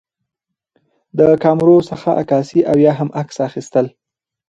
د کامرو څخه عکاسي او یا هم عکس اخیستل